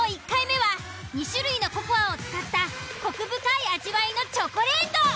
１回目は２種類のココアを使ったコク深い味わいのチョコレート。